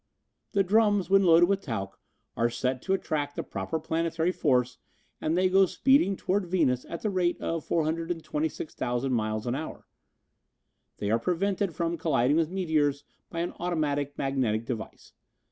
"The drums, when loaded with talc, are set to attract the proper planetary force and they go speeding toward Venus at the rate of 426,000 miles an hour. They are prevented from colliding with meteors by an automatic magnetic device.